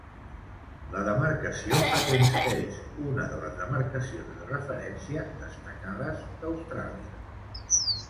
La demarcació fa temps que és una de les demarcacions de referencia destacades d'Austràlia.